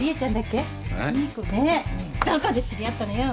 どこで知り合ったのよ？